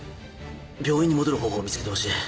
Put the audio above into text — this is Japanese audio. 病院に戻る方法を見つけてほしい。